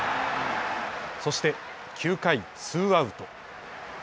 そして９回ツーアウト。